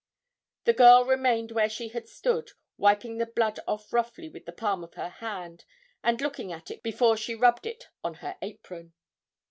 The girl remained where she had stood, wiping the blood off roughly with the palm of her hand, and looking at it before she rubbed it on her apron.